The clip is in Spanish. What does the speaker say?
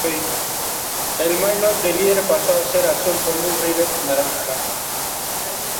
El maillot de líder pasó a ser azul con un ribete naranja.